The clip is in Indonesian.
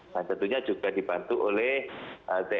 dan tentunya juga dibantu oleh lts